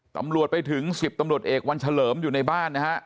ตำรวจไปถึง๑๐ตำรวจเอกวันเฉลิมอยู่ในบ้านนะฮะ